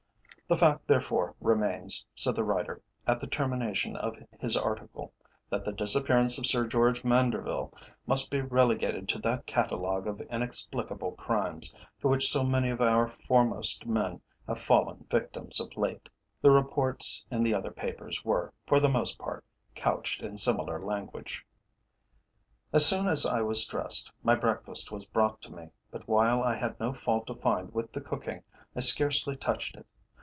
"The fact therefore remains," said the writer, at the termination of his article, "that the disappearance of Sir George Manderville must be relegated to that catalogue of inexplicable crimes, to which so many of our foremost men have fallen victims of late." The reports in the other papers were, for the most part, couched in similar language. As soon as I was dressed, my breakfast was brought to me, but while I had no fault to find with the cooking, I scarcely touched it.